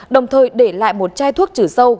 đồng thời để lại một chai thuốc chứa sâu